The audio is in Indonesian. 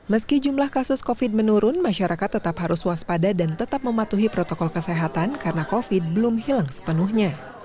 meski jumlah kasus covid menurun masyarakat tetap harus waspada dan tetap mematuhi protokol kesehatan karena covid belum hilang sepenuhnya